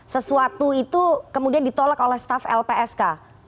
sesuatu itu kemudian ditolak oleh staf lpsk